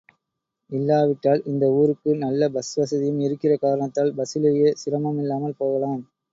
இல்லாவிட்டால் இந்த ஊருக்கு நல்ல பஸ் வசதியும் இருக்கிற காரணத்தால் பஸ்ஸிலேயே சிரமம் இல்லாமல் போகலாம்.